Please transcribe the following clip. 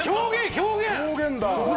表現だ。